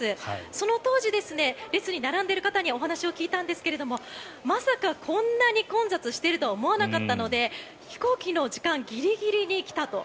その当時、列に並んでいる方にお話を聞いたんですがまさかこんなに混雑しているとは思わなかったので飛行機の時間ギリギリに来たと。